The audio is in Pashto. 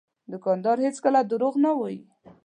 دوکاندار هېڅکله دروغ نه وایي.